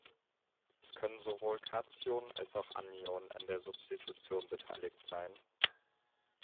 Es können sowohl Kationen als auch Anionen an der Substitution beteiligt sein.